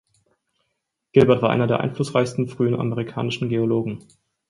Gilbert war einer der einflussreichsten frühen amerikanischen Geologen.